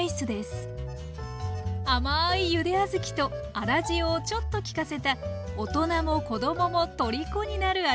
甘いゆで小豆と粗塩をちょっときかせた大人も子どももとりこになる味です。